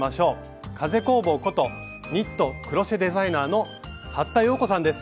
風工房ことニット＆クロッシェデザイナーの服田洋子さんです！